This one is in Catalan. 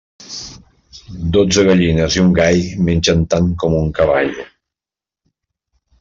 Dotze gallines i un gall mengen tant com un cavall.